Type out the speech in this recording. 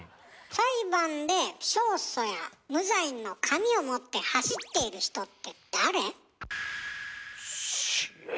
裁判で勝訴や無罪の紙を持って走っている人って誰？